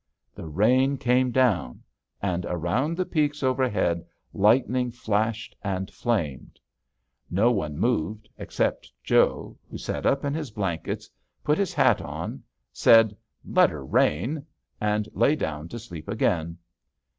The rain came down, and around the peaks overhead lightning flashed and flamed. No one moved except Joe, who sat up in his blankets, put his hat on, said, "Let 'er rain," and lay down to sleep again.